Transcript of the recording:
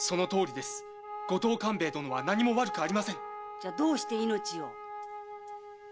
じゃどうして命を。